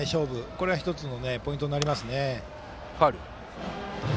これはポイントになりますね。